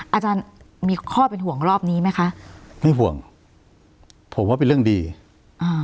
อาจารย์มีข้อเป็นห่วงรอบนี้ไหมคะไม่ห่วงผมว่าเป็นเรื่องดีอ่า